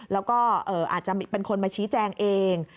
แล้วก็อาจจะเป็นคนมาชี้แจงเอง